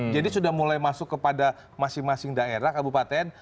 jadi sudah mulai masuk kepada masing masing daerah kabupaten